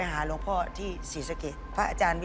เอาพระพุทธรูปแล้วก็เอาน้ำลด